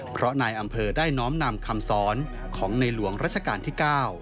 เพราะนายอำเภอได้น้อมนำคำสอนของในหลวงรัชกาลที่๙